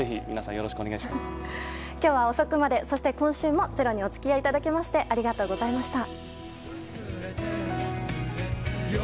今日は遅くまで、そして今週も「ｚｅｒｏ」にお付き合いいただきましてありがとうございました。